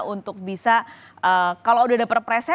untuk bisa kalau sudah dapat presnya